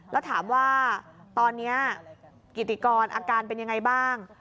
แล้วถามว่าตอนนี้กิติกรอาการเป็นยังไงบ้าง